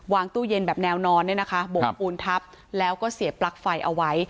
ตู้เย็นแบบแนวนอนเนี่ยนะคะบกปูนทับแล้วก็เสียบปลั๊กไฟเอาไว้